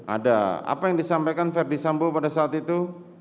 ada apa yang disampaikan verdi sambo pada saat itu